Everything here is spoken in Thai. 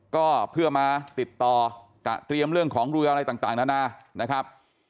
ก็เพื่อมาติดต่อเตรียมเรื่องของเรืออะไรต่างนานานะครับ